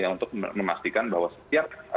untuk memastikan bahwa setiap